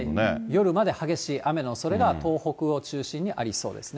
夜まで激しい雨のおそれが、東北を中心にありそうですね。